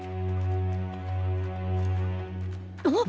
あっ！